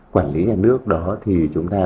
quản lý nhà nước đó thì chúng ta